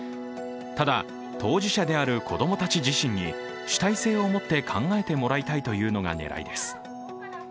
ただ、当事者である子供たち自身に主体性を持って考えてもらいたいというのが狙いです。